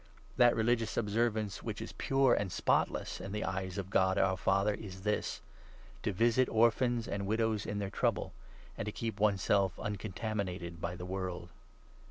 That religious observance which 27 is pure and spotless in the eyes of God our Father is this — to visit orphans and widows in their trouble, and to keep one self uncontaminated by the world.